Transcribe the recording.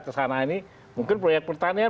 kesana ini mungkin proyek pertanian